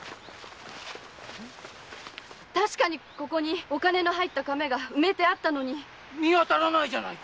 確かにここにお金の入った瓶が埋めてあったのに⁉見当たらない！